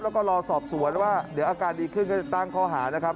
แล้วก็รอสอบสวนว่าเดี๋ยวอาการดีขึ้นก็จะตั้งข้อหานะครับ